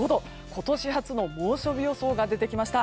今年初の猛暑日予想が出てきました。